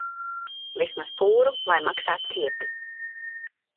Vismaz pūru lai maksā cieti.